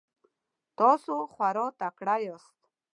تاسو خورا تکړه یاست.